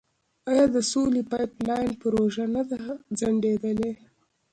آیا د سولې پایپ لاین پروژه نه ده ځنډیدلې؟